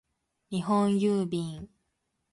日本郵便